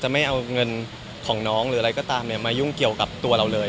ไม่ขอเงินของน้องมายุ่งเกี่ยวกับตัวเราเลย